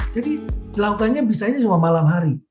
jadi dilakukannya biasanya cuma malam hari